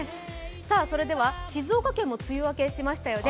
それでは静岡県も梅雨明けしましたよね。